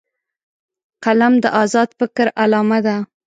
قلم د آزاد فکر علامه ده